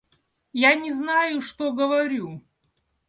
Я не знаю, что говорю!